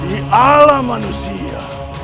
di alam manusia